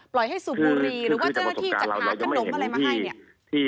ให้สูบบุรีหรือว่าเจ้าหน้าที่จัดหาขนมอะไรมาให้เนี่ย